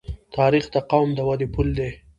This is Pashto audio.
تاریخ د قوم د ودې پل دی.